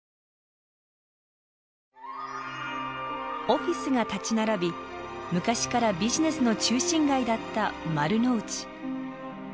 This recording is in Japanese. オフィスが立ち並び昔からビジネスの中心街だった丸の内。